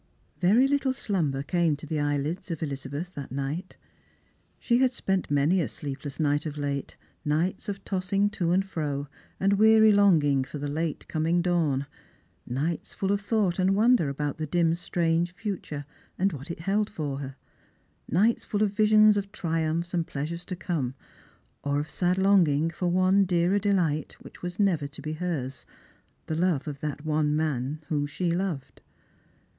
Vekt little slumber ca«ie to the eyelids of EHzabeth that night. She had spent many a sleepless night of late ; nights of tossing to and fro, and weary longing for the late coming dawn ; nights full of thought and wonder about the dim strange future, and what it held for her ; nights full of visions of triumphs and pleasures to come, or of sad longing for one dearer delight which was never to be hers — the love of that one man whom she loved.